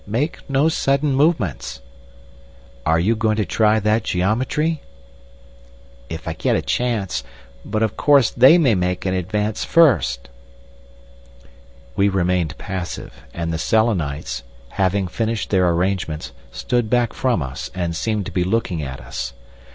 Make no sudden movements!" "Are you going to try that geometry?" "If I get a chance. But, of course, they may make an advance first." We remained passive, and the Selenites, having finished their arrangements, stood back from us, and seemed to be looking at us.